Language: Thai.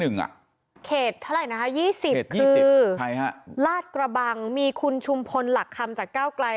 เขตเท่าไหร่นะคะ๒๐คือใครฮะลาดกระบังมีคุณชุมพลหลักคำจากก้าวไกล